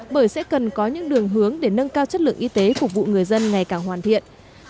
bởi sẽ cần có những đường hướng để nâng cao chất lượng y tế phục vụ người dân ngày càng hoàn thiện